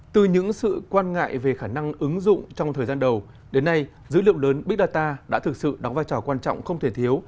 từ những sự quan ngại về khả năng ứng dụng trong thời gian đầu đến nay dữ liệu lớn big data đã thực sự đóng vai trò quan trọng không thể thiếu